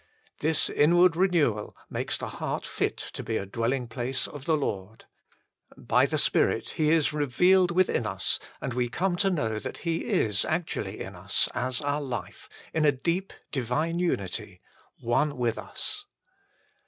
This inward renewal makes the heart fit to be a dwelling place of the Lord. By the Spirit He is revealed within us and we come to know that He is actually in us as our life, in a deep, divine unity, One with us.